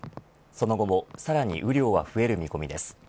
その後もさらに雨量は増える見込みです。